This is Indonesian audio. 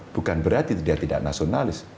bukan berarti dia tidak nasionalis